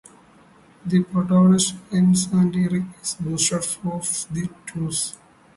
The protagonist wins and Eric is booted off the tour.